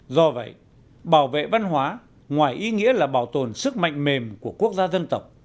do vậy bảo vệ văn hóa ngoài ý nghĩa là bảo tồn sức mạnh mềm của quốc gia dân tộc